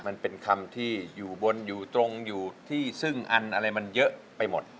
มันเป็นคำที่อยู่บนอยู่ตรงอยู่ที่ซึ่งอันอะไรมันเยอะไปหมด